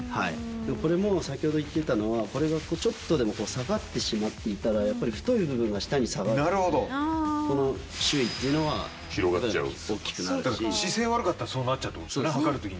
これも先ほど言っていたのは、これがちょっとでも下がってしまっていたら、やっぱり太い部分が下に下がって、姿勢悪かったらそうなるってことですね、測るときに。